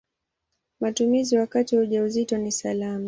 Matumizi wakati wa ujauzito ni salama.